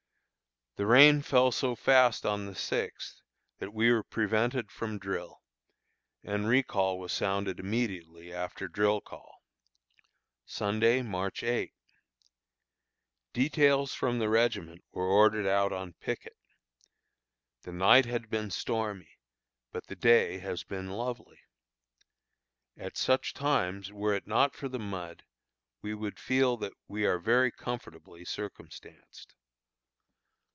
The rain fell so fast on the sixth, that we were prevented from drill, and recall was sounded immediately after drill call. Sunday, March 8. Details from the regiment were ordered out on picket. The night had been stormy, but the day has been lovely. At such times, were it not for the mud, we would feel that we are very comfortably circumstanced.